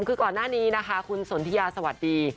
คือก่อนหน้านี้นะคะคุณสนทิยาสวัสดี